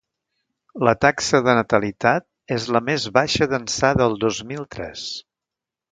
La taxa de natalitat és la més baixa d’ençà del dos mil tres.